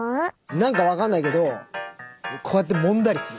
何か分かんないけどこうやってもんだりする。